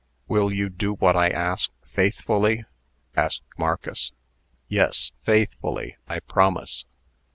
"Will you do what I ask, faithfully?" asked Marcus. "Yes, faithfully. I promise."